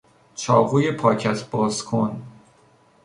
چاقوی پاکت بازکن